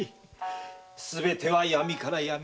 すべては闇から闇。